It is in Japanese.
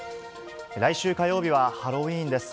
来週火曜日はハロウィーンです。